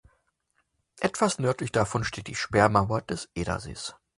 Etwas nördlich davon steht die Sperrmauer des Edersees.